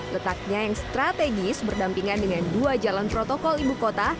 letaknya yang strategis berdampingan dengan dua jalan protokol ibu kota